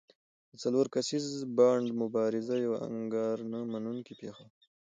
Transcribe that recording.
د څلور کسیز بانډ مبارزه یوه انکار نه منونکې پېښه وه.